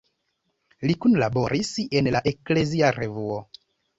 Li kunlaboris en la Eklezia Revuo.